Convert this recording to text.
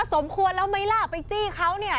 สมควรแล้วไหมล่ะไปจี้เขาเนี่ย